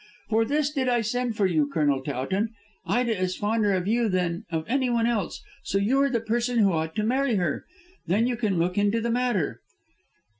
"For this did I send for you, Colonel Towton. Ida is fonder of you than of anyone else, so you are the person who ought to marry her. Then you can look into the matter."